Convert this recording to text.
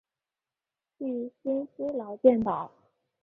具薪资劳健保